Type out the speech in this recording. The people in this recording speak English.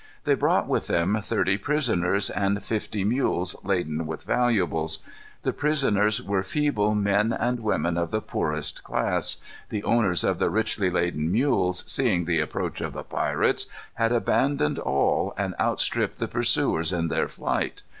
They brought with them thirty prisoners, and fifty mules laden with valuables. The prisoners were feeble men and women of the poorest class. The owners of the richly laden mules, seeing the approach of the pirates, had abandoned all, and outstripped the pursuers in their flight.